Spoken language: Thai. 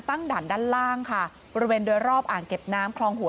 ด่านด้านล่างค่ะบริเวณโดยรอบอ่างเก็บน้ำคลองหัว